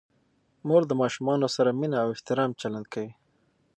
مور د ماشومانو سره مینه او احترام چلند کوي.